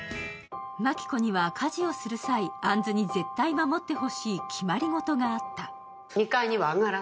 真希子には、家事をする際、杏子に絶対守ってほしい決まり事があった。